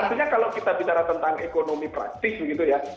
artinya kalau kita bicara tentang ekonomi praktis begitu ya